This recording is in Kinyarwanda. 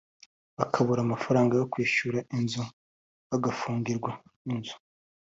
bakabura amafaranga yo kwishura inzu bagafungirwa inzu